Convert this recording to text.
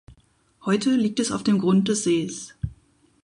Heute liegt es auf dem Grund des Sees.